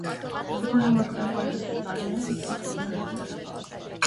Երկրորդ համաշխարհային պատերազմի տարիներին և դրանից հետո եղել է սպա։